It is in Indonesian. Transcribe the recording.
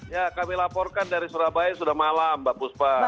ya kami laporkan dari surabaya sudah malam mbak buspa